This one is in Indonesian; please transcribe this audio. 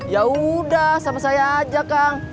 yaudah sama saya aja kang